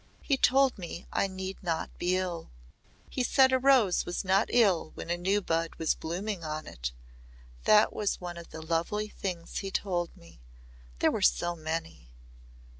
"He told me I need not be ill. He said a rose was not ill when a new bud was blooming on it. That was one of the lovely things he told me. There were so many."